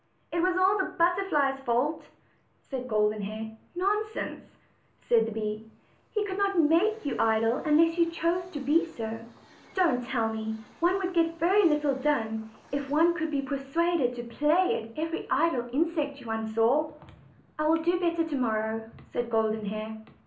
"It was all the butterfly's fault!" said Golden Hair. "Nonsense," said the bee, "he could not make you idle unless you chose to be so. Don't tell me! One would get very little done if one could be persuaded to play by every idle insect one saw," OLD, OLD FAIRY TALES. 223 "I will do better to morrow," said Golden Hair.